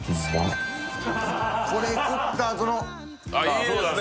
これ食ったあとのああいいですね